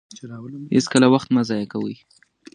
هېڅکله وخت مه ضایع کوئ.